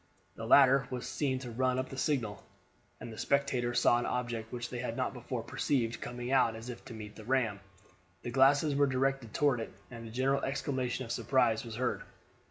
The latter was seen to run up a signal, and the spectators saw an object which they had not before perceived coming out as if to meet the ram. The glasses were directed toward it, and a general exclamation of surprise was heard.